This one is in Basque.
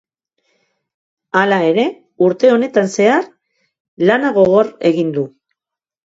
Hala ere, urte honetan zehar lana gogor egin du.